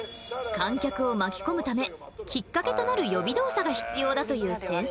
観客を巻き込むためキッカケとなる予備動作が必要だと言う先生。